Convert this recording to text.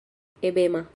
ebena